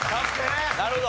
なるほど。